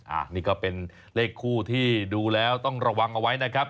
อันนี้ก็เป็นเลขคู่ที่ดูแล้วต้องระวังเอาไว้นะครับ